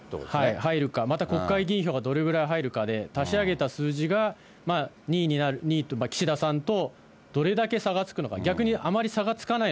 入るか、また国会議員票がどれだけ入るかで、そのたしあげた数字で２位、岸田さんとどれだけ差がつくのか。